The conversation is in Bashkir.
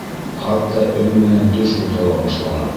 Хатта өн менән төш бутала башланы.